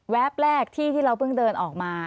แป๊บแรกที่ที่เราเพิ่งเดินออกมา